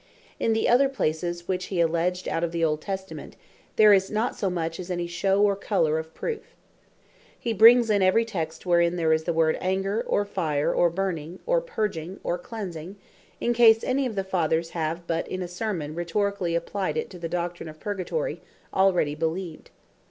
In the other places, which he alledgeth out of the old Testament, there is not so much as any shew, or colour of proofe. He brings in every text wherein there is the word Anger, or Fire, or Burning, or Purging, or Clensing, in case any of the Fathers have but in a Sermon rhetorically applied it to the Doctrine of Purgatory, already beleeved.